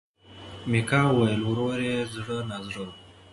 میکا وویل ورور یې زړه نا زړه و.